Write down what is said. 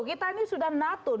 kita ini sudah nato